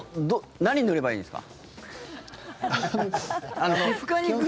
何を買えばいいんですか？